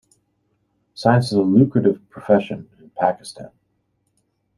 Science is a lucrative profession in Pakistan.